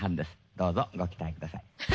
「どうぞご期待ください」